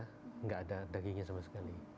tidak ada dagingnya sama sekali